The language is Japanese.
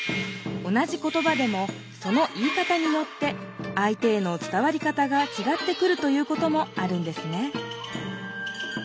同じ言葉でもその言い方によってあい手への伝わり方がちがってくるということもあるんですね